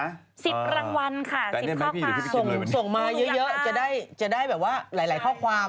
๑๐รางวัลค่ะ๑๐ข้อความส่งมาเยอะจะได้แบบว่าหลายข้อความ